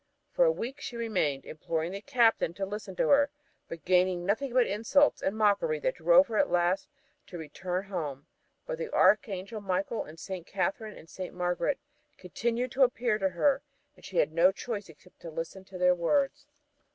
For a week she remained, imploring the captain to listen to her, but gaining nothing but insults and mockery that drove her at last to return to her home. But the Archangel Michael and Saint Catherine and Saint Margaret continued to appear to her, and she had no choice except to listen to their words.